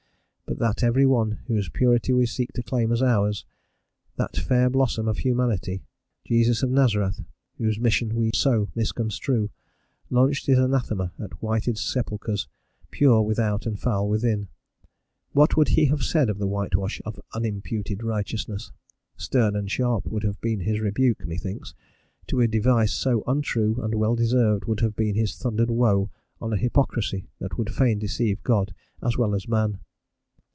But that every one whose purity we seek to claim as ours, that fair blossom of humanity, Jesus of Nazareth, whose mission we so misconstrue, launched his anathema at whited sepulchres, pure without and foul within. What would he have said of the whitewash of unimputed righteousness? Stern and sharp would have been his rebuke, methinks, to a device so untrue, and well deserved would have been his thundered "woe" on a hypocrisy that would fain deceive God as well as man.